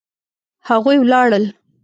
هغوی ولاړل